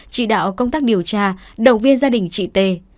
chỉ đạo công tác điều tra động viên gia đình chị t